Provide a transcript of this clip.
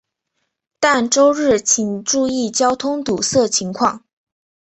但周日请注意交通堵塞情况。